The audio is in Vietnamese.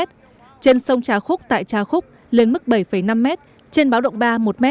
trên sông trà khúc tại trà khúc lên mức bảy năm m trên báo động ba một m